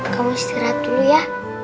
kamu istirahat dulu ya